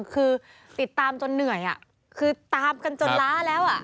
คือติดตามจนเหนื่อยคือตามกันจนล้าแล้ว